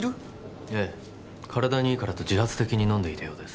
ええ体にいいからと自発的に飲んでいたようです